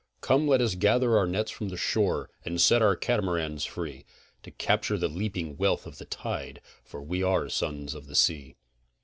Come, let us gather our nets from the shore, and set our catamarans free, To capture the leaping wealth of the tide, for we are the sons of the sea.